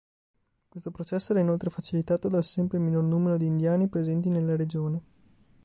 Questo processo era inoltre facilitato dal sempre minor numero di indiani presenti nella regione.